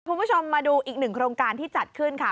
คุณผู้ชมมาดูอีกหนึ่งโครงการที่จัดขึ้นค่ะ